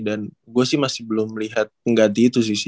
dan gue sih masih belum melihat pengganti itu sih